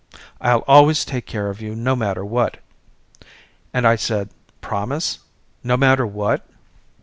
I'll always take care of you no matter what. And I said promise? No matter what?